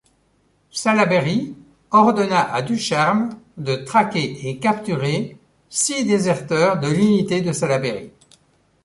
Salaberry ordonna à Ducharme de traquer et capturer six déserteurs de l'unité de Salaberry.